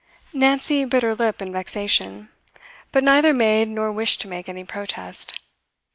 Nancy bit her lip in vexation, but neither made nor wished to make any protest.